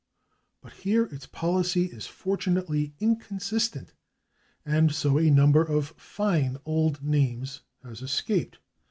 But here its policy is fortunately inconsistent, and so a number of fine old names has escaped.